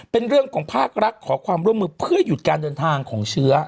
เป็นเรื่องของภาครักขอความร่วมมือเพื่อหยุดการเดินทางของเชื้อ